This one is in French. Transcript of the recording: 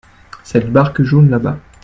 Cette barque jaune là-bas.